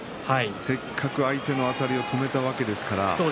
せっかく相手のあたりを止めたわけですから。